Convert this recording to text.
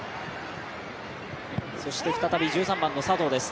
そして再び１３番の佐藤です。